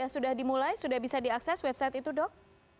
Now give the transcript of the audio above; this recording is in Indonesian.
sudah dimulai sudah bisa diakses website itu dok